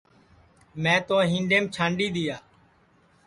میں تو ہِنڈؔیم چھانڈِی دِؔیا